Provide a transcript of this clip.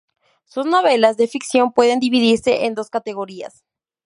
Sus novelas de ficción pueden dividirse en dos categorías.